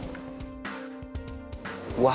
ini udah yaudah